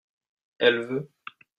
elle veut.